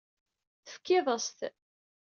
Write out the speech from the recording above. Tefkiḍ-as-t.